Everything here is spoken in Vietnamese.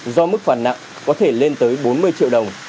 do mức phản nặng có thể lên tới bốn mươi triệu đồng